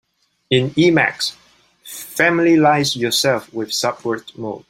In Emacs, familiarize yourself with subword mode.